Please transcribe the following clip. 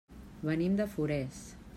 Venim de Forès.